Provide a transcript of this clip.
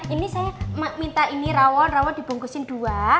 ini saya minta ini rawon rawon dibungkusin dua